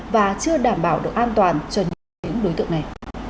và chưa đảm bảo được an toàn cho những đối tượng này